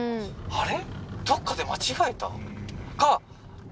あれ？